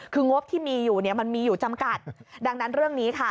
คืองบที่มีอยู่เนี่ยมันมีอยู่จำกัดดังนั้นเรื่องนี้ค่ะ